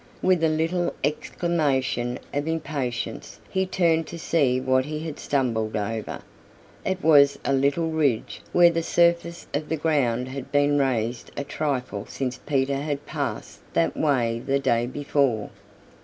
With a little exclamation of impatience he turned to see what he had stumbled over. It was a little ridge where the surface of the ground had been raised a trifle since Peter had passed that way the day before.